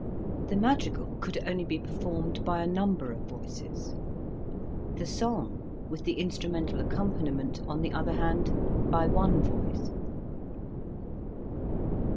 The madrigal could only be performed by a number of voices ; the song, with the instrumental accompaniment, on the other hand, by one voice.